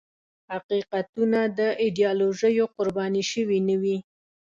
حقیقتونه د ایدیالوژیو قرباني شوي نه وي.